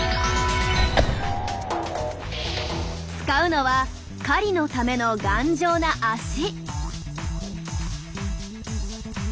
使うのは狩りのための頑丈な脚。